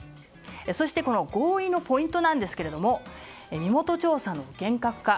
そしてこの合意のポイントですが身元調査の厳格化。